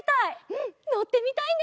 うんのってみたいね！